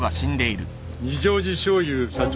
二条路醤油社長